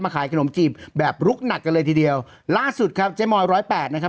ขายขนมจีบแบบลุกหนักกันเลยทีเดียวล่าสุดครับเจ๊มอยร้อยแปดนะครับ